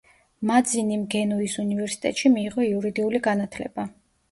მაძინიმ გენუის უნივერსიტეტში მიიღო იურიდიული განათლება.